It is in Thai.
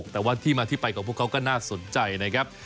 แต่ว่าที่มาที่ไปของพวกเขาก็น่าสนใจนะครับ